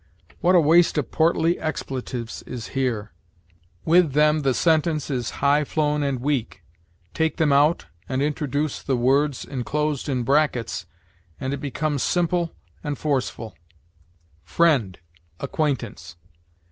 What a waste of portly expletives is here! With them the sentence is high flown and weak; take them out, and introduce the words inclosed in brackets, and it becomes simple and forcible. FRIEND ACQUAINTANCE.